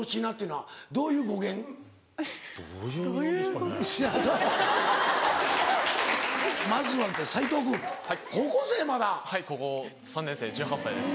はい高校３年生１８歳です。